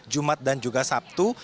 jumat dan juga sabtu